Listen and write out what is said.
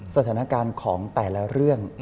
สถานการณ์ของแต่ละเรื่อง